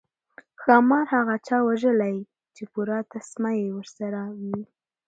ښامار هغه چا وژلی چې پوره تسمه یې ورسره وي.